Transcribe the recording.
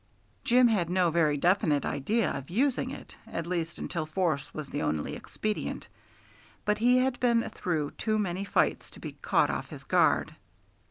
Jim had no very definite idea of using it, at least until force was the only expedient; but he had been through too many fights to be caught off his guard.